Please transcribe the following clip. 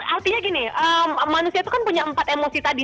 artinya gini manusia itu kan punya empat emosi tadi